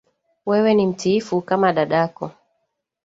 Wewe ni mtiifu kama dadako